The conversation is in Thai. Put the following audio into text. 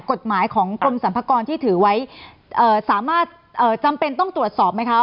กฎหมายของกรมสรรพากรที่ถือไว้เอ่อสามารถจำเป็นต้องตรวจสอบไหมคะ